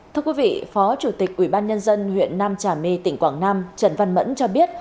thưa quý vị phó chủ tịch ủy ban nhân dân huyện nam trà my tỉnh quảng nam trần văn mẫn cho biết